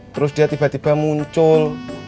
terus dia tiba tiba muncul